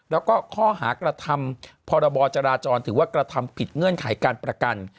แล้วก็ข้อหากระทำพรบจราจรถือว่ากระทำผิดเงื่อนไขการประกัน